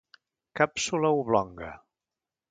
Càpsula oblonga.